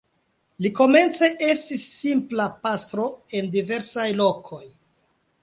Li komence estis simpla pastro en diversaj lokoj.